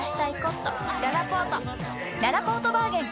ららぽーとバーゲン開催！